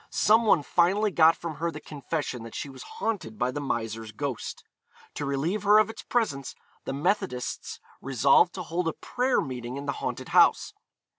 Some one finally got from her the confession that she was haunted by the miser's ghost. To relieve her of its presence the Methodists resolved to hold a prayer meeting in the haunted house.